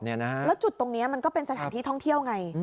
แล้วจุดตรงนี้มันก็เป็นสถานที่ท่องเที่ยวไง